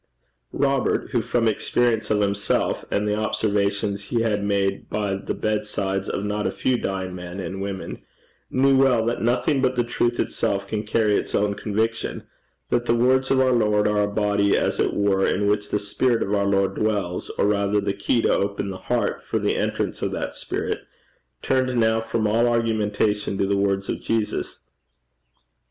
Robert, who from experience of himself, and the observations he had made by the bedsides of not a few dying men and women, knew well that nothing but the truth itself can carry its own conviction; that the words of our Lord are a body as it were in which the spirit of our Lord dwells, or rather the key to open the heart for the entrance of that spirit, turned now from all argumentation to the words of Jesus.